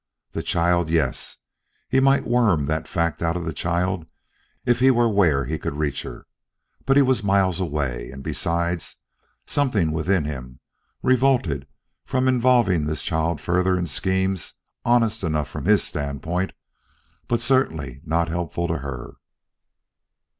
The child yes, he might worm that fact out of the child if he were where he could reach her; but he was miles away; and besides, something within him revolted from involving this child further in schemes honest enough from his standpoint, but certainly not helpful to her.